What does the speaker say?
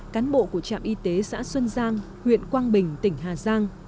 cán bộ của trạm y tế xã xuân giang huyện quang bình tỉnh hà giang